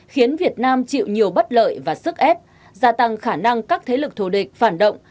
khiến việt nam chịu nhiều bất lợi và sức ép gia tăng khả năng các thế lực thù địch phản động